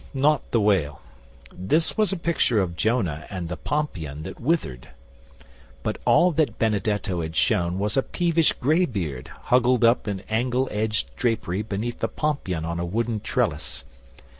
Not the whale. This was a picture of Jonah and the pompion that withered. But all that Benedetto had shown was a peevish grey beard huggled up in angle edged drapery beneath a pompion on a wooden trellis.